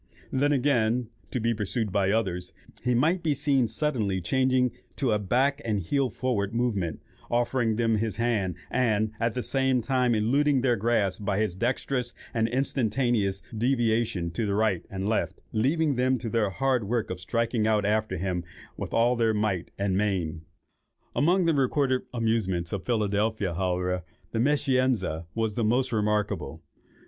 Then, again, to be pursued by others, he might be seen suddenly changing to the back and heel forward movement, offering them his hand, and, at the same time, eluding their grasp by his dexterous and instantaneous deviations to the right and left, leaving them to their hard work of striking out after him with all their might and main." Among the recorded amusements of Philadelphia, however, the "Meschianza" is the most remarkable.